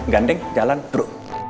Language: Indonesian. ganding jalan bro